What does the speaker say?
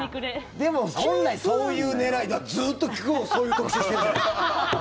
でも本来そういう狙いだってずっと今日そういう特集してるじゃないですか。